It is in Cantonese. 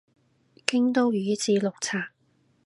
京都宇治綠茶